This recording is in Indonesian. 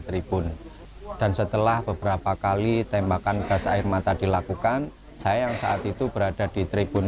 tribun dan setelah beberapa kali tembakan gas air mata dilakukan saya yang saat itu berada di tribun